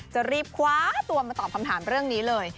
จะรีบคว้าตัวมาตอบคำถามเรื่องนี้เลย